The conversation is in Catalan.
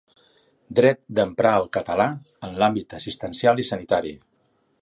Dret d’emprar el català en l’àmbit assistencial i sanitari.